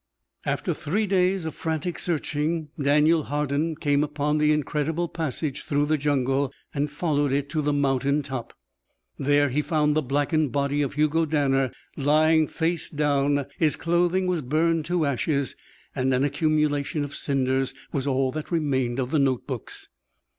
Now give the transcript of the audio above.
After three days of frantic searching, Daniel Hardin came upon the incredible passage through the jungle and followed it to the mountain top. There he found the blackened body of Hugo Danner, lying face down. His clothing was burned to ashes, and an accumulation of cinders was all that remained of the notebooks.